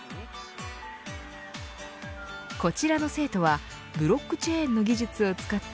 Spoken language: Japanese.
こちらの生徒はブロックチェーンの技術を使って